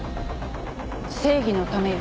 正義のためよ。